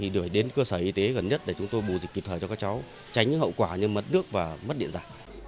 gửi đến cơ sở y tế gần nhất để chúng tôi bù dịch kịp thời cho các cháu tránh hậu quả như mất nước và mất điện giả